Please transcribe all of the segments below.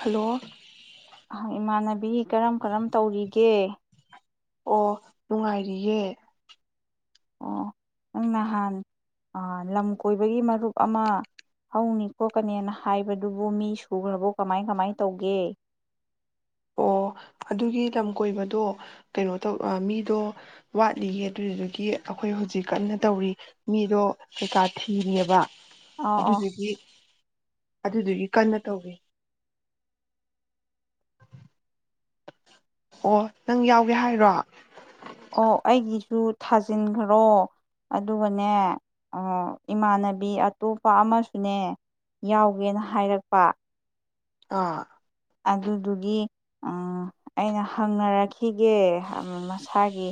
Hello. ꯑꯍꯥꯡ ꯏꯃꯥꯟꯅ ꯕꯤ ꯀꯔꯝ ꯀꯔꯝ ꯇꯧꯔꯤꯒꯦ꯫ ꯑꯣ ꯅꯨꯡꯉꯥꯏꯔꯤꯌꯦ꯫ ꯑꯣ ꯅꯪ ꯅꯍꯥꯟ ꯑꯥ ꯂꯝ ꯀꯣꯏꯕꯒꯤ ꯃꯔꯨꯞ ꯑꯃ ꯍꯧꯅꯤ ꯈꯣꯠꯀꯅꯦꯅ ꯍꯥꯏꯕꯗꯨꯕꯨ ꯃꯤ ꯁꯨꯒꯔꯕꯣ ꯀꯃꯥꯏꯟ ꯀꯃꯥꯏꯟ ꯇꯧꯒꯦ꯫ ꯑꯣ ꯑꯗꯨꯒꯤ ꯂꯝ ꯀꯣꯏꯕꯗꯣ ꯀꯩꯅꯣ ꯇꯧ ꯃꯤꯗꯣ ꯋꯥꯠꯂꯤꯌꯦ ꯑꯗꯨꯗꯨꯗꯒꯤ ꯑꯩꯈꯣꯏ ꯍꯧꯖꯤꯛ ꯀꯟꯅ ꯇꯧꯔꯤ ꯃꯤꯗꯣ ꯀꯩꯀꯥ ꯊꯤꯔꯤꯌꯦꯕ꯫ ꯑꯥ ꯑꯥ ꯑꯗꯨꯏꯗꯨꯒꯤ ꯑꯗꯨꯏꯗꯨꯒꯤ ꯀꯥꯟꯅ ꯇꯧꯔꯤ꯫ ꯑꯣ ꯅꯪ ꯌꯥꯎꯒꯦ ꯍꯥꯏꯔꯣ ꯑꯣ ꯑꯩꯒꯤꯁꯨ ꯊꯥꯖꯤꯟꯈ꯭ꯔꯣ ꯑꯗꯨꯒꯅꯦ ꯑꯥ ꯏꯃꯥꯟꯅꯕꯤ ꯑꯇꯣꯞꯄ ꯑꯃꯁꯨꯅꯦ ꯌꯥꯎꯒꯦꯅ ꯍꯥꯏꯔꯛꯄ꯫ ꯑꯥ꯫ ꯑꯗꯨꯗꯨꯒꯤ ꯑꯩꯅ ꯍꯪꯅꯔꯛꯈꯤ ꯈꯤꯒꯦ ꯃꯁꯥꯒꯤ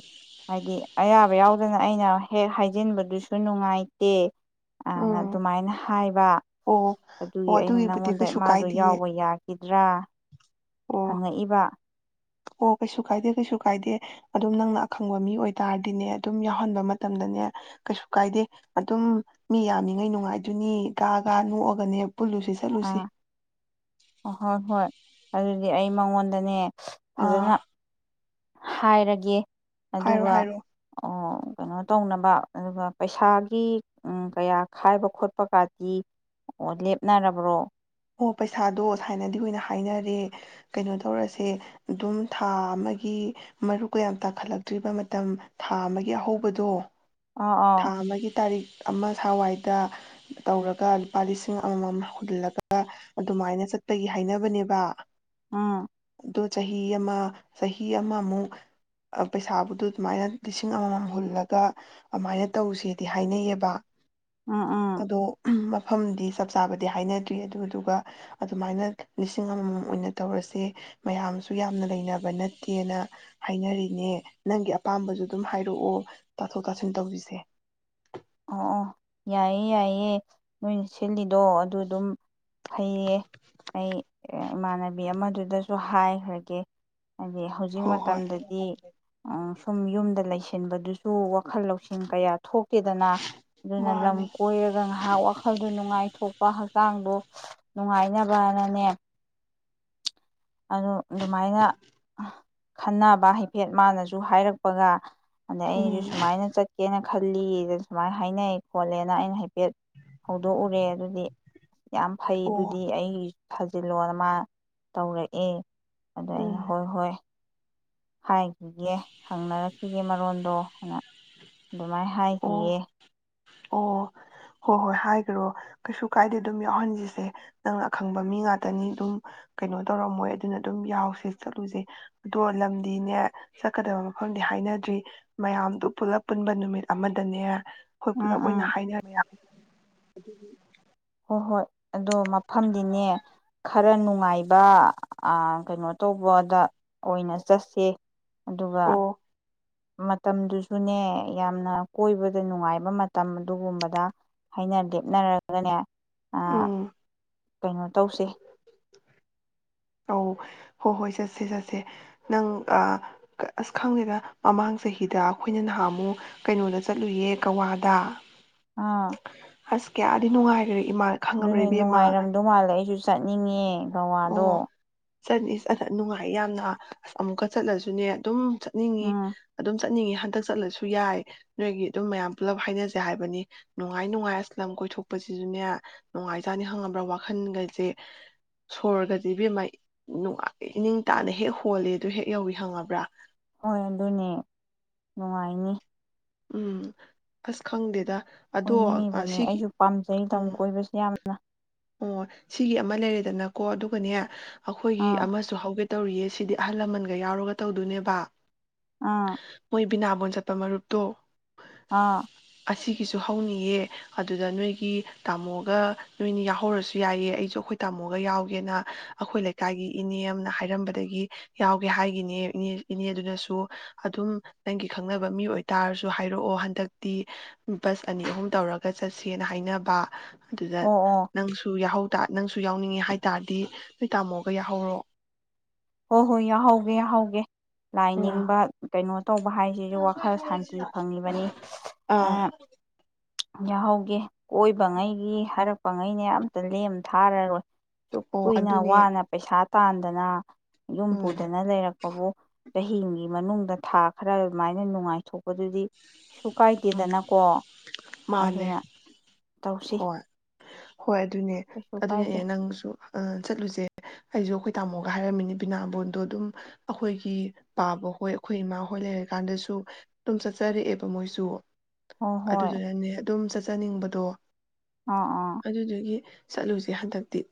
ꯍꯥꯏꯗꯤ ꯑꯌꯥꯕ ꯌꯥꯎꯗꯅ ꯑꯩꯅ ꯍꯦꯛ ꯍꯥꯏꯖꯤꯟꯕꯗꯨꯁꯨ ꯅꯨꯡꯉꯥꯏꯇꯦ꯫ ꯑꯥ ꯎꯝ ꯑꯗꯨꯃꯥꯏꯅ ꯍꯥꯏꯕ ꯑꯣ ꯑꯣ ꯑꯗꯨꯒꯤ ꯑꯩꯅ ꯑꯗꯨꯒꯤꯕꯨꯗꯤ ꯅꯪꯉꯣꯟꯗ ꯀꯩꯁꯨ ꯃꯥꯗꯣ ꯀꯥꯏꯗꯤꯌꯦ ꯌꯥꯎꯕ ꯌꯥꯒꯤ ꯑꯥ꯫ ꯑꯣ ꯍꯪꯉꯛꯏꯕ꯫ ꯑꯣ ꯀꯩꯁꯨ ꯀꯥꯏꯗꯦ ꯀꯩꯁꯨ ꯀꯥꯏꯗꯦ ꯑꯗꯨꯝ ꯅꯪꯅ ꯑꯈꯪꯕ ꯃꯤ ꯑꯣꯏꯇꯥꯔꯗꯤꯅꯦ ꯑꯗꯨꯝ ꯌꯥꯎꯍꯟꯕ ꯃꯇꯝꯗꯅꯦ ꯀꯩꯁꯨ ꯀꯥꯏꯗꯦ ꯑꯗꯨꯝ ꯃꯤ ꯌꯥꯝꯃꯤꯉꯩ ꯅꯨꯡꯉꯥꯏꯗꯨꯣꯏꯅꯤ ꯀꯒ ꯅꯣꯛꯑꯒꯅꯦ ꯄꯨꯜꯂꯨꯁꯤ ꯆꯠꯂꯨꯁꯤ꯫ ꯑꯥ ꯍꯣꯏ ꯍꯣꯏ ꯑꯗꯨꯗꯤ ꯑꯩ ꯃꯉꯣꯟꯗꯅꯦ ꯑꯥ ꯐꯖꯅ ꯍꯥꯏꯔꯒꯦ ꯍꯥꯏꯔꯣ ꯑꯗꯨꯒ ꯍꯥꯏꯔꯣ ꯑꯣ ꯀꯩꯅꯣ ꯇꯧꯅꯕ ꯑꯗꯨꯒ ꯄꯩꯁꯥꯒꯤ ꯀꯌꯥ ꯈꯥꯏꯕ ꯈꯣꯠꯄꯒꯗꯤ ꯑꯣ ꯂꯦꯞꯅꯔꯕ꯭ꯔꯣ ꯑꯣ ꯄꯩꯁꯥꯗꯣ ꯁꯥꯏꯅꯗꯤ ꯑꯣꯏꯅ ꯍꯥꯏꯅꯔꯦ ꯀꯩꯅꯣ ꯇꯧꯔꯁꯦ ꯑꯗꯨꯝ ꯊꯥ ꯑꯃꯒꯤ ꯃꯔꯨꯀꯌꯥꯝ ꯇꯥꯈꯠꯂꯛꯇ꯭ꯔꯤꯕ ꯃꯇꯝ ꯊꯥ ꯑꯃꯒꯤ ꯑꯍꯧꯕꯗꯣ ꯑꯥ ꯑꯥ ꯊꯥ ꯑꯃꯒꯤ ꯇꯥꯔꯤꯛ ꯑꯃ ꯁꯋꯥꯏꯗ ꯇꯧꯔꯒ ꯂꯨꯄꯥ ꯂꯤꯁꯤꯡ ꯑꯃꯃꯝ ꯍꯨꯜꯂꯒ ꯑꯗꯨꯃꯥꯏꯅ ꯆꯠꯄꯒꯤ ꯍꯥꯏꯅꯕꯅꯦꯕ ꯎꯝ ꯑꯗꯣ ꯆꯍꯤ ꯑꯃ ꯆꯍꯤ ꯑꯃꯃꯨꯛ ꯄꯩꯁꯥ [unintelligible] ꯑꯗꯨꯃꯥꯏꯅ ꯂꯤꯁꯤꯡ ꯑꯃꯃꯝ ꯍꯨꯜꯂꯒ ꯑꯗꯨꯃꯥꯏꯅ ꯇꯧꯁꯦꯗꯤ ꯍꯥꯏꯅꯩꯌꯦꯕ ꯎꯝ ꯎꯝ ꯑꯗꯣ ꯃꯐꯝꯗꯤ ꯆꯞ ꯆꯥꯕꯗꯤ ꯍꯥꯏꯅꯗ꯭ꯔꯤ ꯑꯗꯨꯗꯨꯒ ꯑꯗꯨꯃꯥꯏꯅ ꯂꯤꯁꯤꯡ ꯑꯃꯃꯝ ꯑꯣꯏꯅ ꯇꯧꯔꯁꯦ ꯃꯌꯥꯝꯁꯨ ꯌꯥꯝꯅ ꯂꯩꯅꯕ ꯅꯠꯇꯦꯅ ꯍꯥꯏꯅꯔꯤꯅꯦ ꯅꯪꯒꯤ ꯑꯄꯥꯝꯕꯁꯨ ꯑꯗꯨꯝ ꯍꯥꯏꯔꯛꯑꯣ ꯇꯥꯊꯣꯛ ꯇ ꯁꯨꯝ [unintelligible] ꯑꯣ ꯑꯣ ꯌꯥꯏꯌꯦꯦ ꯌꯥꯏꯌꯦ ꯅꯣꯏꯅ ꯁꯤꯜꯂꯤꯗꯣ ꯑꯗꯨ ꯑꯗꯨꯝ ꯐꯩꯌꯦ ꯑꯩ ꯏꯃꯥꯟꯅꯕꯤ ꯑꯃꯗꯨꯗꯁꯨ ꯍꯥꯏꯈ꯭ꯔꯒꯦ ꯍꯥꯏꯗꯤ ꯍꯧꯖꯤꯛ ꯍꯣꯏ ꯍꯣꯏ ꯃꯇꯝꯗꯗꯤ ꯁꯨꯝ ꯌꯨꯝꯗ ꯂꯩꯁꯤꯟꯕꯗꯨꯁꯨ ꯋꯥꯈꯜ ꯂꯧꯁꯤꯡ ꯀꯌꯥ ꯊꯣꯛꯇꯦꯗꯅ ꯑꯗꯨꯅ ꯂꯝ ꯃꯥꯅꯤ ꯀꯣꯏꯔꯒ ꯉꯥꯏꯍꯥꯛ ꯋꯥꯈꯜꯗꯨ ꯅꯨꯡꯉꯥꯏꯊꯣꯛꯄ [unintelligible] ꯍꯛꯆꯥꯡꯗꯣ ꯅꯨꯡꯉꯥꯏꯅꯕꯅꯅꯦ ꯑꯗꯨ ꯑꯗꯨꯃꯥꯏꯅ ꯈꯟꯅꯕ ꯍꯥꯏꯐꯦꯠ ꯃꯥꯅꯁꯨ ꯍꯥꯏꯔꯛꯄꯒ ꯑꯗ ꯑꯩꯁꯨ ꯎꯝ ꯁꯨꯃꯥꯏꯅ ꯆꯠꯀꯦꯅ ꯈꯜꯂꯤ ꯁꯨꯃꯥꯏꯅ ꯍꯥꯏꯅꯩ ꯈꯣꯠꯂꯦꯅ ꯑꯩꯅ ꯍꯥꯏꯐꯦꯠ ꯍꯧꯗꯣꯛꯎꯔꯦ ꯑꯗꯨꯗꯤ ꯌꯥꯝ ꯐꯩ ꯑꯣ ꯑꯗꯨꯗꯤ ꯑꯩ ꯊꯥꯖꯤꯜꯂꯣ ꯑꯃ ꯇꯧꯔꯛꯏ ꯑꯗ ꯑꯩꯅ ꯎꯝ ꯍꯣꯏ ꯍꯣꯏ ꯍꯥꯏ ꯑꯗꯨꯦ ꯍꯪꯅꯔꯛꯈꯤ ꯒꯤ ꯃꯔꯣꯟꯗꯣꯅ ꯑꯗꯨꯃꯥꯏꯅ ꯑꯣ ꯍꯥꯏꯈꯤꯌꯦ ꯑꯣ ꯍꯣꯏ ꯍꯣꯏ ꯍꯥꯏꯈ꯭ꯔꯣ ꯀꯩꯁꯨ ꯀꯥꯏꯗꯦ ꯑꯗꯨꯝ ꯌꯥꯎꯍꯟꯁꯤꯁꯦ ꯅꯪꯅ ꯑꯈꯪꯕ ꯃꯤ ꯉꯥꯛꯇꯅꯤ ꯑꯗꯨꯝ ꯀꯩꯅꯣ ꯇꯧꯔꯝꯃꯣꯏ ꯑꯗꯨꯅ ꯑꯗꯨꯝ ꯌꯥꯎꯁꯤ ꯆꯠꯂꯨꯁꯦ ꯑꯗꯣ ꯂꯝꯗꯤꯅꯦ ꯆꯠꯀꯗꯕ ꯃꯐꯝꯗꯤ ꯍꯥꯏꯅꯗ꯭ꯔꯤ ꯃꯌꯥꯝꯗꯨ ꯄꯨꯂꯞ ꯄꯨꯟꯕ ꯅꯨꯃꯤꯠ ꯑꯃꯗꯅꯦ ꯑꯩꯈꯣꯏ ꯎꯝ ꯄꯨꯂꯞ ꯎꯝ ꯑꯣꯏꯅ ꯍꯥꯏꯅꯤ ꯍꯥꯏꯕ ꯑꯗꯨ ꯍꯣꯏ ꯍꯣꯏ ꯑꯗꯣ ꯃꯐꯝꯗꯤꯅꯦ ꯈꯔ ꯅꯨꯡꯉꯥꯏꯕ ꯀꯩꯅꯣ ꯇꯧꯕꯗ ꯑꯣꯏꯅ ꯆꯠꯁꯦ ꯑꯗꯨꯒ ꯃꯇꯝꯗꯨꯁꯨꯅꯦ ꯌꯥꯝꯅ ꯀꯣꯏꯕꯗ ꯅꯨꯡꯉꯥꯏꯕ ꯃꯇꯝ ꯑꯗꯨꯒꯨꯝꯕꯗ ꯍꯥꯏꯩꯅ ꯂꯦꯞꯅꯔꯒꯅꯦ ꯑ ꯎꯝ ꯀꯩꯅꯣ ꯇꯧꯁꯦ ꯑꯧ ꯍꯣꯏ ꯍꯣꯏ ꯆꯠꯁꯦ ꯆꯠꯁꯦ ꯅꯪ ꯑꯥ ꯑꯁ ꯈꯪꯗꯦꯗ ꯃꯃꯥꯡ ꯆꯍꯤꯗ ꯑꯈꯣꯏꯅ ꯅꯍꯥꯟ ꯑꯃꯨꯛ ꯀꯩꯅꯣꯗ ꯆꯠꯂꯨꯏꯌꯦ ꯒꯋꯥꯗ ꯑꯥ ꯑꯁ ꯀꯌꯥꯗꯤ ꯅꯨꯡꯉꯥꯏ ꯑꯗꯨꯅꯦ ꯅꯨꯡꯉꯥꯏꯔꯝꯗꯧ ꯃꯥꯜꯂꯦ ꯑꯩꯁꯨ ꯁ ꯆꯠꯅꯤꯡꯉꯦ ꯒꯋꯥꯗꯣ ꯆꯠꯅꯤ ꯆꯜꯂ ꯅꯨꯡꯉꯥꯏ ꯌꯥꯝꯅ ꯑꯁ ꯑꯃꯨꯛꯀ ꯆꯠꯂꯁꯨꯅꯦ ꯑꯗꯨꯝ ꯆ ꯅꯤꯡꯉꯤ ꯎꯝ ꯑꯗꯨꯝ ꯆꯠꯅꯤꯌꯦ ꯍꯟꯗꯛ ꯆꯠꯂꯁꯨ ꯌꯥꯏ ꯅꯣꯏꯒꯤ ꯑꯗꯨꯝ ꯃꯌꯥꯝ ꯄꯨꯜꯂꯞ ꯍꯥꯏꯅꯁꯩ ꯍꯥꯏꯕꯅꯤ ꯅꯨꯡꯉꯥꯏ ꯅꯨꯡꯉꯥꯏ ꯑꯁ ꯂꯝ ꯀꯣꯏꯊꯣꯛꯄꯁꯤꯁꯨꯅꯦ ꯅꯨꯡꯉꯥꯏꯖꯥꯠꯅꯤ ꯈꯪꯉꯕ꯭ꯔꯥ ꯋꯥꯈꯟꯒꯖꯦ ꯁꯣꯔꯒꯖꯦ ꯏꯕꯦꯝꯃꯥ ꯅꯨꯡꯉꯥꯏ ꯏꯅꯤꯡ ꯇꯥꯅ ꯍꯦꯛ ꯍꯣꯜꯂꯦ ꯗꯨ ꯍꯦꯛ ꯌꯧꯏ ꯈꯪꯉꯕ꯭ꯔꯥ ꯍꯣꯏ ꯑꯗꯨꯅꯦ ꯅꯨꯡꯉꯥꯏꯅꯤ ꯎꯝ ꯑꯁ ꯈꯪꯗꯦꯗ ꯑꯗꯣ ꯑ ꯀꯣꯏꯅꯤꯡꯉꯤꯕꯅꯦ ꯁꯤꯒꯤ ꯑꯩꯁꯨ ꯄꯥꯝꯖꯩ ꯂꯝ ꯑꯣ ꯀꯣꯏꯕꯁꯤ ꯌꯥꯝ ꯅ ꯑꯣ ꯁꯤꯒꯤ ꯑꯃ ꯂꯩꯔꯦꯗꯅꯀꯣ ꯑꯗꯨꯒꯅꯦ ꯑꯈꯣꯏꯒꯤ ꯑꯥ ꯑꯃꯁꯨ ꯍꯧꯒꯠ ꯇꯧꯔꯤꯌꯦ ꯁꯤꯗꯤ ꯑꯍꯜ ꯂꯃꯟꯒ ꯌꯥꯎꯔꯒ ꯇꯧꯗꯣꯅꯦꯕ ꯑꯥ ꯕꯤꯅꯥꯕꯣꯟ ꯆꯠꯄ ꯃꯔꯨꯞꯇꯣ ꯑꯥ ꯁꯤꯒꯤꯁꯨ ꯍꯧꯅꯤꯌꯦ ꯑꯗꯨꯗ ꯅꯣꯏꯒꯤ ꯇꯥꯃꯣꯒ ꯅꯣꯏꯅꯤ ꯌꯥꯎ ꯍꯧꯔꯁꯨ ꯌꯥꯏꯌꯦ ꯑꯩꯁꯨ ꯑꯩꯈꯣꯏ ꯇꯥꯃꯣꯒ ꯌꯥꯎꯒꯦꯅ ꯑꯩꯈꯣꯏ ꯂꯩꯀꯥꯏꯒꯤ ꯏꯅꯦ ꯑꯃꯅ ꯍꯥꯏꯔꯝꯕꯗꯒꯤ ꯌꯥꯎꯒꯦ ꯍꯥꯏꯒꯤꯅꯦ ꯅꯦ ꯏꯅꯦꯗꯨꯅꯁꯨ ꯑꯗꯨꯝ ꯅꯪꯒꯤ ꯈꯪꯅꯕ ꯃꯤ ꯑꯣꯏꯇꯥꯔꯁꯨ ꯍꯥꯏꯔꯛꯑꯣ ꯍꯟꯗꯛꯇꯤ ꯕꯁ ꯑꯅꯤ ꯑꯍꯨꯝ ꯇꯧꯔꯒ ꯆꯠꯁꯦꯅ ꯍꯥꯏꯅꯕ ꯑꯗꯨꯗ ꯑꯣ ꯑꯣ ꯁꯨ ꯌꯥꯎꯍꯧ ꯇ ꯅꯪꯁꯨ ꯌꯥꯎꯅꯤꯡꯉꯦ ꯍꯥꯏ ꯇꯥꯔꯗꯤ ꯅꯣꯏ ꯇꯥꯝꯃꯣꯒ ꯌꯥꯍꯧꯔꯣ ꯍꯣ ꯍꯣꯏ ꯌꯥꯍꯧꯒꯦ ꯌꯥꯍꯧꯒꯦ ꯂꯥꯏ ꯎꯝ ꯅꯤꯡꯕ ꯀꯩꯅꯣ ꯇꯧꯕ ꯍꯥꯏꯁꯤꯁꯨ ꯋꯥꯈꯜ ꯁꯥꯟꯇꯤ ꯐꯪꯉꯤꯕꯅꯤ ꯑ ꯑꯥ ꯌꯥꯍꯧꯒꯦ ꯀꯣꯏꯕꯉꯩꯒꯤ ꯍꯥꯏꯔꯛꯄ ꯉꯩꯅꯦ ꯑꯝꯇ ꯂꯦꯝ ꯊꯥꯔꯔꯣꯏ ꯇꯣ ꯑꯣ ꯀꯨꯏꯅ ꯋꯥ ꯑꯗꯨꯅꯦ ꯅ ꯄꯩ ꯁꯥ ꯄꯥꯟꯗꯅ ꯌꯨꯝ ꯎꯝ ꯄꯨꯗꯅ ꯂꯩꯔꯛ ꯐꯕꯨ ꯆꯍꯤ ꯏꯡꯒꯤ ꯃꯅꯨꯡꯗ ꯊꯥ ꯈꯔ ꯑꯗꯨꯃꯥꯏꯅ ꯅꯨꯡꯉꯥꯏꯊꯣꯛ ꯎꯝ ꯃꯥꯅꯦ ꯑꯗꯨꯅ ꯇꯧꯁꯤ ꯍꯣꯏ ꯍꯣꯏ ꯑꯗꯨꯅꯦ ꯀꯩꯁꯨ ꯑꯗꯨꯅꯦ ꯀꯥꯏꯗꯦ ꯑꯦ ꯅꯪꯁꯨ ꯑ ꯆꯠꯂꯨꯖꯦ ꯑꯩꯁꯨ ꯑꯈꯣꯏ ꯇꯥꯃꯣꯒ ꯍꯥꯏꯔꯝꯃꯤ ꯕꯤꯅꯥꯕꯣꯟꯗꯣ ꯑꯗꯨꯝ ꯑꯩꯈꯣꯏꯒꯤ ꯄꯥꯕ ꯍꯣꯏ ꯑꯩꯈꯣꯏ ꯏꯃꯥ ꯍꯣꯏ ꯂꯩꯔ ꯀꯥꯟꯗꯁꯨ ꯑꯗꯨꯝ ꯆꯠ ꯆꯡꯇꯔꯛꯑꯦꯕ ꯃꯣꯏꯁꯨ ꯍꯣꯏ ꯍꯣꯏ ꯑꯗꯨꯗꯨꯅꯅꯦ ꯑꯗꯨꯝ ꯆꯠ ꯆꯖꯅꯤꯡꯕꯗꯣ ꯑꯥ ꯑꯥ ꯑꯗꯨꯗꯨꯒꯤ ꯆꯠꯂꯨꯁꯦ ꯍꯟꯗꯛꯇꯤ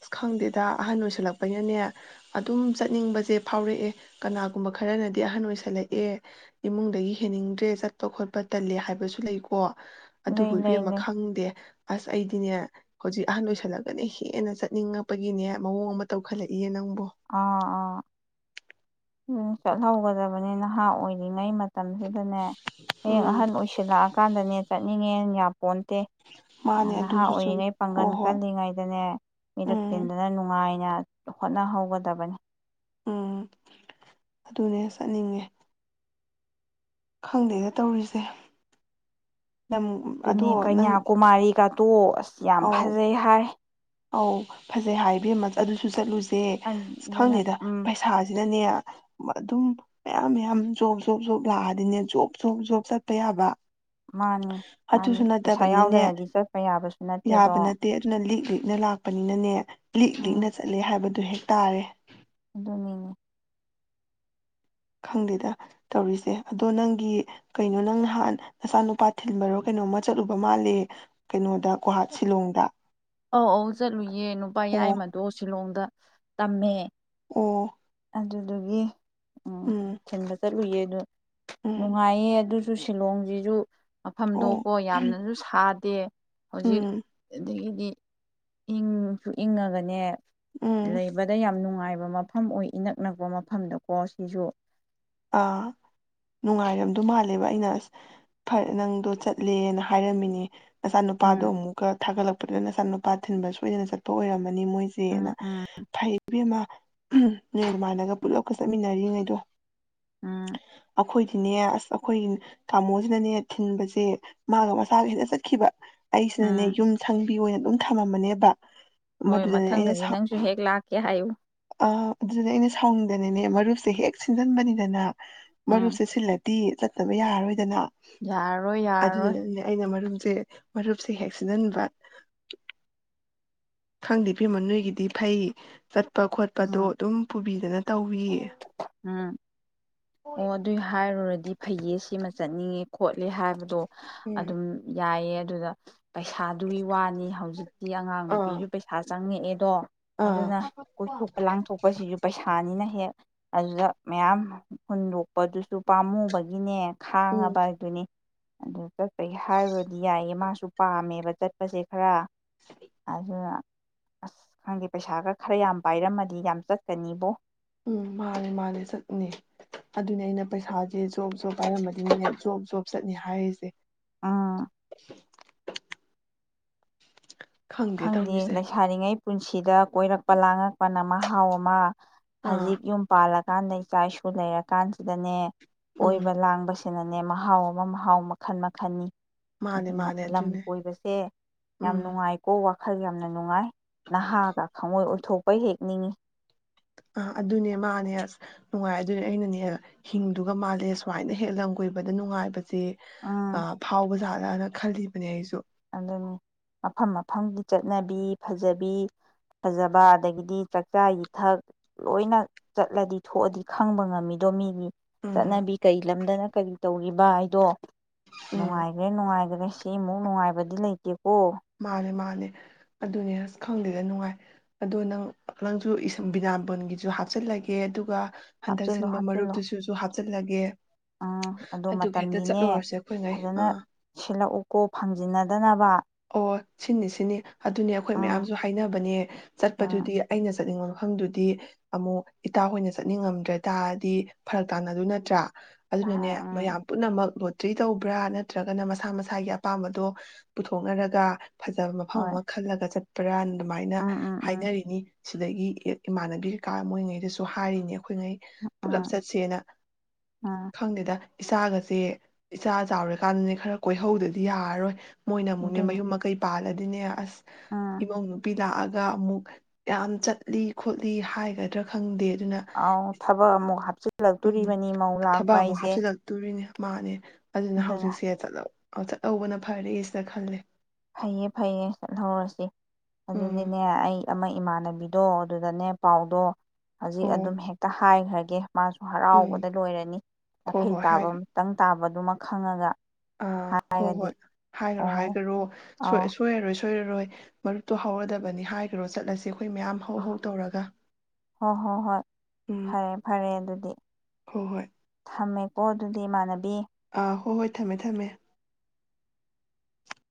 ꯑꯁ ꯈꯪꯗꯦꯗ ꯑꯍꯟ ꯑꯣꯏꯁꯜꯂꯛꯄꯩꯅꯅꯦ ꯑꯗꯨꯝ ꯆꯠꯅꯤꯡꯕꯁꯦ ꯐꯥꯎꯔꯛꯑꯦ ꯀꯅꯥꯒꯨꯝꯕ ꯈꯔꯅꯗꯤ ꯑꯍꯟ ꯑꯣꯏꯁꯜꯂꯛꯑꯦ ꯏꯃꯨꯡꯗꯒꯤ ꯍꯦꯟꯅꯤꯡꯗ꯭ꯔꯦ ꯆꯠꯄ ꯈꯣꯠꯄ ꯇꯜꯂꯦ ꯍꯥꯏꯕꯁꯨ ꯂꯩꯀꯣ ꯂꯩ ꯑꯗꯨꯕꯨ ꯂꯩ ꯏꯕꯦꯝꯃ ꯂꯩ ꯈꯪꯗꯦ ꯑꯁ ꯑꯩꯗꯤꯅꯦ ꯍꯧꯖꯤꯛ ꯑꯍꯟ ꯂꯣꯏꯁꯜꯂꯒꯅ ꯍꯦꯟꯅ ꯆꯠꯅꯤꯡꯉꯛꯄꯒꯤꯅꯦ ꯃꯑꯣꯡ ꯑꯃ ꯇꯧꯈꯠꯂꯛꯏꯦ ꯅꯪ ꯑꯥ ꯑꯥ ꯎꯝ ꯆꯠꯍꯧꯒꯗꯕꯅꯤ ꯅꯍꯥ ꯑꯣꯏꯔꯤꯉꯩ ꯃꯇꯝꯁꯤꯗꯅꯦ ꯍꯌꯦꯡ ꯎꯝ ꯑꯍꯟ ꯑꯣꯏꯁꯤꯜꯂꯛꯑꯀꯥꯟꯗꯅꯦ ꯆꯠꯅꯤꯡꯉꯦ ꯌꯥꯝ ꯄꯣꯟꯇꯦ ꯃꯥꯅꯦ ꯅꯍꯥ ꯑꯗꯨꯁꯨ ꯆꯨꯝꯃꯤ ꯑꯣꯏꯔꯤꯉꯩ ꯍꯣ ꯄꯥꯡꯒꯟ ꯍꯣꯏ ꯀꯜꯂꯤꯉꯩꯗꯅꯦ ꯃꯤꯔꯛ ꯎꯝ ꯇꯤꯟꯗꯅ ꯅꯨꯡꯉꯥꯏꯅ ꯍꯣꯠꯅꯍꯧꯒꯗꯕꯅꯤ ꯎꯝ ꯑꯗꯨꯅꯦ ꯆꯠꯅꯤꯡꯉꯦ ꯈꯪꯗꯦꯗ ꯇꯧꯔꯤꯁꯦ ꯂꯝ ꯑꯗꯣ ꯗꯨꯅꯦ ꯅꯪ ꯀꯩꯅꯌ꯭ꯥꯀꯨꯃꯥꯔꯤ ꯒꯥ ꯇꯣ [unintelligible] ꯌꯥꯝ ꯑꯧ ꯐꯖꯩ ꯍꯥꯏ ꯑꯧ ꯐꯖꯩ ꯍꯥꯏ ꯏꯅꯦꯝꯃ ꯑꯗꯨꯁꯨ ꯆꯠꯂꯨꯁꯦ ꯁꯦ ꯑꯗꯨꯅ ꯈꯪꯗꯦꯗ ꯎꯝ ꯄꯩꯁꯥꯁꯤꯅꯅꯦ ꯑꯗꯨꯝ ꯃꯌꯥꯝ ꯃꯌꯥꯝ ꯖꯣꯕ ꯖꯣꯞ ꯖꯣꯕ ꯂꯥꯛꯑꯗꯤꯅꯦ ꯖꯣꯕ ꯖꯣꯕ ꯖꯣꯕ ꯆꯠꯄ ꯌꯥꯕ ꯃꯥꯅꯤ ꯃꯥꯅꯤ ꯑꯗꯨꯁꯨ ꯄꯩꯁꯥ ꯅꯠꯇꯕꯅꯤꯅꯅꯦ ꯌꯥꯎꯗꯅꯗꯤ ꯆꯠꯄ ꯌꯥꯕꯁꯨ ꯅꯠꯇꯦꯗꯣ ꯌꯥꯕ ꯅꯠꯇꯦ ꯑꯗꯨꯅ ꯂꯤꯛ ꯂꯤꯛꯅ ꯂꯥꯛꯄꯅꯤꯅꯅꯦ ꯂꯤꯛ ꯎꯝ ꯂꯤꯛꯅ ꯆꯠꯂꯦ ꯍꯥꯏꯕꯗꯨ ꯍꯦꯛ ꯇꯥꯔꯦ ꯑꯗꯨꯅꯤꯅꯦ ꯈꯪꯗꯦꯗ ꯇꯧꯔꯤꯁꯦ ꯑꯗꯣ ꯅꯪꯒꯤ ꯀꯩꯅꯣ ꯅꯪ ꯅꯍꯥꯟ ꯅꯆꯥꯅꯨꯄꯥ ꯊꯤꯟꯕꯔꯣ ꯀꯩꯅꯣꯝꯃ ꯆꯠꯂꯨꯕ ꯃꯥꯜꯂꯦ ꯀꯩꯅꯣꯗ ꯒꯨꯍꯥꯠ ꯁꯤꯂꯣꯡꯗ ꯑꯧ ꯑꯧ ꯆꯠꯂꯨꯏ ꯌꯦ ꯅꯨꯄꯥ ꯑꯣ ꯌꯥꯏꯃꯗꯣ ꯁꯤꯂꯣꯡꯗ ꯇꯝꯃꯦ ꯑꯣ ꯑꯗꯨꯗꯨꯒꯤ ꯎꯝ ꯊꯤꯟꯕ ꯆꯠꯂꯨꯏꯌꯦ ꯎꯝ ꯅꯨꯡꯉꯥꯏꯌꯦ ꯑꯗꯨ ꯁꯨ ꯁꯤꯂꯣꯡꯁꯤꯁꯨ ꯃꯐꯝꯗꯣ ꯑꯣ ꯀꯣ ꯌꯥꯝꯅꯁꯨ ꯁꯥ ꯗꯦ ꯍꯧꯖꯤꯛ ꯎꯝ ꯑꯗꯥꯒꯤꯗꯤ ꯏꯪꯁꯨ ꯏꯪꯉꯒꯅꯦ ꯎꯝ ꯂꯩꯕꯗ ꯌꯥꯝ ꯅꯨꯡ ꯅꯨꯡꯉꯥꯏꯕ ꯃꯐꯝ ꯑꯣꯏ ꯏꯅꯛ ꯅꯛꯄ ꯃꯐꯝꯗꯀꯣ ꯁꯤꯁꯨ ꯑꯥ ꯅꯨꯡꯉꯥꯏꯔꯝꯗ ꯃꯥꯜꯂꯦꯕ ꯑꯩꯅ ꯑꯁ ꯐꯔꯦ ꯅꯪꯗꯣ ꯆꯠꯂꯦꯅ ꯍꯥꯏꯔꯝꯃꯤꯅꯦ ꯑꯆꯥꯅ ꯎꯝ ꯅꯨꯄꯥꯗꯣ ꯑꯃꯨꯛꯀ ꯊꯥꯒꯠꯂꯛꯄ ꯑꯗꯨꯅ ꯅꯆꯥ ꯅꯨꯨꯄꯥ ꯊꯤꯟꯕ ꯁꯣꯏꯗꯅ ꯆꯠ ꯑꯣꯏꯔ ꯎꯝ ꯃꯣꯏꯁꯦꯅ ꯎꯝ ꯐꯩꯃ ꯅꯦꯜ ꯃꯥꯥꯟꯜꯂꯒ ꯄꯨꯂꯞꯀ ꯆꯠꯃꯤꯟꯅꯔꯤꯉꯩꯗꯣ ꯎꯝ ꯁꯤꯅꯦ ꯑꯁ ꯑꯩꯈꯣꯏꯒꯤ ꯇꯥꯃꯣꯁꯤꯅꯅꯦ ꯊꯤꯟꯕꯁꯦ ꯃꯥꯒ ꯃꯁꯥꯒꯁꯤꯅ ꯆꯠꯈꯤꯕ ꯑꯩꯁꯤꯅꯅꯦ ꯎꯝ ꯌꯨꯝ ꯁꯪꯕꯤ ꯑꯣꯏꯅ ꯑꯗꯨꯝ ꯊ [unintelligible] ꯍꯣꯏ ꯃꯊꯪꯗꯗꯤ ꯅꯪꯁꯨ ꯍꯦꯛ ꯂꯥꯛꯀꯦ ꯍꯥꯏꯌꯨ ꯑ ꯑꯗꯨꯅꯦ ꯑꯩꯅ ꯁꯥꯎꯅꯤꯡꯗꯅꯅꯦ ꯃꯔꯨꯞꯁꯦ ꯍꯦꯛ ꯁꯤꯟꯖꯟꯕꯅꯤꯗꯅ ꯎꯝ ꯃꯔꯨꯞꯁꯦ ꯁꯤꯜꯂꯗꯤ ꯆꯠꯇꯕ ꯌꯥꯔꯔꯣꯏꯗꯅ ꯌꯥꯔꯔꯣꯏ ꯌꯥꯔꯔꯣꯏ ꯁꯦ ꯃꯔꯨꯞꯁꯦ ꯍꯦꯛꯆꯖꯤꯟꯕ ꯈꯪꯗꯦ ꯏꯕꯦꯝꯃ ꯅꯣꯏꯒꯤꯗꯤ ꯐꯩ ꯆꯠꯄ ꯈꯣꯠꯄꯗꯣ ꯎꯝ ꯑꯗꯨꯝ ꯄꯨꯕꯤ ꯐꯖꯅ ꯇꯧꯕꯤꯌꯦ ꯎꯝ ꯑꯣ ꯑꯗꯨꯏ ꯍꯥꯏꯔꯨꯔꯗꯤ ꯐꯩꯌꯦ ꯁꯤꯃ ꯆꯠꯅꯤꯡꯉꯦ ꯈꯣꯠꯂꯦ ꯍꯥꯏꯕꯗꯣ ꯎꯝ ꯑꯗꯨꯝ ꯌꯥꯏꯌꯦ ꯑꯗꯨꯗ ꯄꯩꯁꯥꯗꯨꯒꯤ ꯋꯥꯅꯤ ꯍꯧꯖꯤꯛꯇꯤ ꯑꯉꯥꯡ ꯑꯥ ꯅꯨꯄꯤꯁꯨ ꯄꯩꯁꯥ ꯆꯪꯉꯦ ꯑꯦꯗꯣ ꯑꯥ ꯑꯗꯨꯅ ꯀꯣꯏꯊꯣꯛꯄ ꯂꯥꯡꯊꯣꯛꯄꯁꯤꯁꯨ ꯄꯩꯁꯥꯅꯤꯅ ꯍꯦꯛ ꯑꯗꯨꯗ ꯃꯌꯥꯝ ꯍꯨꯟꯗꯣꯛꯄꯗꯨꯁꯨ ꯄꯥꯝꯃꯨꯕꯒꯤꯅꯦ ꯎꯝ ꯈꯥꯡꯉꯕ ꯍꯥꯏꯗꯨꯅꯤ ꯑꯗꯨ ꯆꯠꯄꯒꯤ ꯍꯥꯏꯔꯨꯔꯗꯤ ꯌꯥꯏꯌꯦ ꯃꯥꯁꯨ ꯄꯥꯝꯃꯦꯕ ꯆꯠꯄꯁꯦ ꯈꯔ ꯑꯗꯨꯅ ꯑꯁ ꯈꯪꯗꯦ ꯄꯩꯁꯥꯒ ꯈꯔ ꯌꯥꯝ ꯄꯥꯏꯔꯝꯃꯗꯤ ꯌꯥꯝ ꯆꯠꯀꯅꯤꯕꯣ ꯎꯝ ꯃꯥꯅꯦ ꯃꯥꯅꯦ ꯆꯠꯅꯦ ꯑꯗꯨꯅꯦ ꯑꯩꯅ ꯄꯩꯁꯥꯁꯦ ꯖꯣꯕ ꯖꯣ ꯄꯥꯏꯔꯝꯕꯅꯤꯅꯦ ꯖꯣꯕ ꯖꯣꯕ ꯆꯠꯅꯤ ꯍꯥꯏꯔꯤꯁꯦ ꯎꯝ ꯎꯝ ꯈꯪꯗꯦ ꯂꯩꯁꯥꯔꯤꯉꯩ ꯄꯨꯟꯁꯤꯗ ꯀꯣꯏꯔꯛꯄ ꯂꯥꯡꯉꯛꯄꯅ ꯃꯍꯥꯎ ꯑꯃ ꯍꯧꯖꯤꯛ ꯑꯥ ꯌꯨꯝ ꯄꯥꯜꯂꯛ ꯀꯀꯥꯟꯗ ꯏꯆꯥ ꯏꯁꯨ ꯂꯩꯔ ꯀꯥꯟꯁꯤꯗꯅꯦ ꯎꯝ ꯑꯣꯏꯕ ꯂꯥꯡꯕꯁ [unintelligible] ꯁꯤꯅꯅꯦ ꯃꯍꯥꯎ ꯑꯃ ꯃꯍꯥꯎ ꯃꯈꯜ ꯃꯈꯜꯅꯤ ꯃꯥꯅꯦ ꯑꯗꯨꯅ ꯃꯥꯅꯦ ꯂꯝ ꯑꯗꯨꯅꯦ ꯀꯣꯏꯕꯁꯦ ꯌꯥꯝ ꯎꯝ ꯅꯨꯡꯉꯥꯏ ꯋꯥꯈꯜ ꯌꯥꯝꯅ ꯅꯨꯡꯉꯥꯏ ꯅꯍꯥꯒ ꯊꯃꯣꯏ ꯑꯣꯏꯊꯣꯛꯄ ꯍꯦꯛꯅꯤꯡꯏꯤ ꯑ ꯑꯗꯨꯅꯦ ꯃꯥꯅꯦ ꯑꯁ ꯅꯨꯡꯉꯥꯏ ꯑꯗꯨꯅꯦ ꯑꯩꯅꯅꯦ ꯍꯤꯡꯗꯨꯒ ꯃꯥꯜꯂꯦ ꯁꯨꯃꯥꯏꯅ ꯍꯦꯛ ꯂꯝ ꯀꯣꯏꯕꯗ ꯅꯨꯡꯉꯥꯏꯕ ꯁꯦ ꯎꯝ ꯐꯥꯎꯕꯖ ꯑꯅ ꯈꯜꯂꯤꯕꯅꯦ ꯑꯩꯁꯨ ꯑꯗꯨꯅꯤ ꯃꯐꯝ ꯃꯐꯝꯒꯤ ꯆꯠꯅꯕꯤ ꯐꯖꯕꯤ ꯐꯖꯕ ꯑꯗꯒꯤꯗꯤ ꯆꯥꯛꯆꯥ ꯌꯊꯛ ꯂꯣꯏꯅ ꯆꯠꯂꯗꯤ ꯊꯣꯛꯑꯗꯤ ꯈꯪꯕ ꯉꯝꯃꯤꯗꯣ ꯃꯤꯒꯤ ꯎꯝ ꯆꯅꯕꯤ ꯀꯩ ꯂꯝꯗꯅ ꯀꯔꯤ ꯇꯧꯔꯤꯕ ꯍꯥꯏꯗꯣ ꯎꯝ ꯅꯨꯡꯉꯥꯏꯈ꯭ꯔꯦ ꯅꯨꯡꯉꯥꯏꯈ꯭ꯔꯦ ꯁꯤꯃꯨꯛ ꯅꯨꯡꯉꯥꯏꯕ ꯕꯗꯤ ꯂꯩ ꯇꯦ ꯃꯥꯅꯦ ꯃꯥꯅꯦ ꯑꯗꯨꯅꯦ ꯑꯁ ꯈꯪꯗꯦꯗ ꯅꯨꯡꯉꯥꯏ ꯑꯗꯣ ꯅꯪ ꯅꯪꯁꯨ ꯕꯤꯗꯥꯕꯣꯟꯒꯤꯁꯨ ꯍꯥꯞꯆꯤꯜꯂꯒꯦ ꯑꯗꯨꯒ ꯍꯟꯗꯛ ꯍꯥꯞꯆꯤꯜꯂꯣ ꯁꯤꯟꯕ ꯍꯥꯞꯆꯤꯜꯂꯣ ꯃꯔꯨꯞꯇꯨꯁꯨ ꯍꯥ ꯆꯠꯂꯒꯦ ꯎꯝ ꯑꯗꯣ ꯃꯇꯝꯗꯤꯅꯦ ꯑꯩꯈꯣꯏꯉꯩ ꯐꯖꯅ ꯑꯥ ꯁꯤꯠꯂꯛꯎꯀꯣ ꯐꯪꯖꯤꯟꯅꯗꯅꯕ ꯑꯣ ꯁꯤꯅꯤ ꯁꯤꯅꯤ ꯑꯗꯨꯅꯦ ꯑꯩꯈꯣꯏ ꯎꯝ ꯃꯌꯥꯝꯁꯨ ꯍꯥꯏꯅꯕꯅꯦ ꯎꯝ ꯆꯠꯄꯗꯨꯗꯤ ꯑꯩꯅ ꯆꯠꯅꯤꯡꯕ ꯃꯐꯝꯗꯨꯗꯤ ꯑꯃꯨꯛ ꯏꯇꯥ ꯍꯣꯏꯅ ꯆꯠꯅꯤꯡꯉꯝꯗ꯭ꯔꯦ ꯇꯥꯔꯗꯤ ꯐꯔꯛ ꯇꯥꯟꯅꯗꯨ ꯅꯠꯇ꯭ꯔꯥ ꯑꯗꯨꯅꯅꯦ ꯎꯝ ꯃꯌꯥꯝ ꯄꯨꯝꯅꯃꯛ ꯂ ꯇ꯭ꯔꯤ ꯇꯧꯕ꯭ꯔꯥ ꯅꯠꯇ꯭ꯔꯒꯅ ꯃꯁꯥ ꯃꯁꯥꯒꯤ ꯑꯄꯥꯝꯕꯗꯣ ꯄꯨꯊꯣꯛꯅꯔꯒ ꯐꯖꯕ ꯃꯐꯝ ꯍꯣꯏ ꯑꯃ ꯈꯜꯂꯒ ꯆꯠꯄ [unintelligible] ꯑꯗꯨꯃꯥꯏꯅ ꯎꯝ ꯎꯝ ꯎꯝ ꯍꯥꯏꯅꯔꯤꯅꯤ ꯁꯤꯗꯒꯤ ꯏꯃꯥꯟꯅꯕꯤ ꯀꯩꯀꯥ ꯃꯣꯏꯉꯩꯗꯁꯨ ꯍꯥꯏꯔꯤꯅꯦ ꯑꯩꯈꯣꯏꯉꯩ ꯄꯨꯂꯞ ꯎꯝ ꯆꯠꯁꯦꯅ ꯎꯝ ꯈꯪꯗꯦꯗ ꯏꯆꯥꯒꯁꯦ ꯏꯆꯥ ꯆꯥꯎꯔꯀꯥꯟꯗꯅꯦ ꯈꯔ ꯀꯣꯏꯍꯧꯗꯗꯤ ꯌꯥꯔꯔꯣꯏ ꯃꯣꯏꯅ ꯑꯃꯨꯛꯅꯦ ꯑꯗꯨꯅꯤ ꯃꯌꯨꯝ ꯃꯀꯩ ꯄꯥꯜꯂ ꯑꯗꯨꯅꯦ ꯑꯁ ꯎꯝ ꯏꯃꯧ ꯅꯨꯄꯤ ꯂꯥꯀꯑ ꯒ ꯑꯃꯨꯛ ꯌꯥꯝ ꯆꯠꯂꯤ ꯈꯣꯠꯂꯤ ꯍꯥꯏꯒꯗ꯭ꯔꯥ ꯈꯪꯗꯦ ꯑꯗꯨꯅ ꯑꯥꯎ ꯊꯕꯛ ꯑꯃꯨꯛ ꯍꯥꯞꯆꯤ ꯎꯝ ꯊꯕꯛ ꯑꯃꯨꯛ ꯍꯥꯞꯆꯤꯜꯂꯛꯇꯣꯔꯤꯅꯦ ꯃꯥꯅꯦ ꯑꯗꯨꯅ ꯍꯧꯖꯤꯛꯁꯦ ꯆꯠꯂ ꯑ ꯆꯠꯍꯧꯕꯅ ꯐꯔꯦ ꯁꯤꯗ ꯈꯜꯂꯦ ꯐꯩꯌꯦ ꯐꯩꯌꯦ ꯆꯠꯍꯧꯔꯁꯤ ꯎꯝ ꯑꯗꯨꯗꯤꯅꯦ ꯑꯩ ꯑꯃ ꯏꯃꯥꯟꯅꯕꯤꯗꯣ ꯑꯗꯨꯗꯅꯦ ꯄꯥꯎꯗꯣ ꯍꯧꯖꯤꯛ ꯑꯣ ꯑꯗꯨꯝ ꯍꯦꯛꯇ ꯍꯥꯏꯈ꯭ꯔꯒꯦ ꯃꯥꯁꯨ ꯎꯝ ꯍꯔꯥꯎꯕꯗ ꯂꯣꯏꯔꯅꯤ ꯍꯣꯏ ꯅꯥꯈꯩ ꯍꯣꯏ ꯇꯥꯕ ꯍꯥꯏꯒ ꯑꯃꯇꯪ ꯇꯥꯕ ꯑꯗꯨꯃ ꯈꯪꯉꯒ ꯑꯥ ꯍꯣꯏ ꯍꯥꯏꯔꯗꯤ ꯍꯣꯏ ꯍꯥꯏꯈꯣ ꯑꯣ ꯍꯥꯏꯈ꯭ꯔꯣ ꯑꯧ ꯁꫭꯏ ꯁꯣꯏ ꯌꯥꯔꯣꯏ ꯁꯣꯏꯔꯔꯣꯏ ꯃꯔꯨꯞꯇꯨ ꯍꯧꯔꯗꯕꯅꯤ ꯍꯥꯏꯈꯔꯣ ꯆꯠꯂꯁꯤ ꯍꯣꯏ ꯍꯣꯏ ꯍꯣꯏ ꯎꯝ ꯐꯔꯦ ꯐꯔꯦ ꯑꯗꯨꯗꯤ ꯍꯣꯏ ꯍꯣꯏ ꯊꯝꯃꯦ ꯑꯣ ꯑꯗꯨꯗꯤ ꯏꯃꯥꯟꯅꯕꯤ ꯑꯥ ꯍꯣꯏ ꯍꯣꯏ ꯊꯝꯃꯦ ꯊꯝꯃꯦ